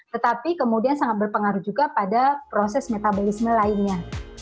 tetapi kemudian sangat berpengaruh juga pada proses metabolisme lainnya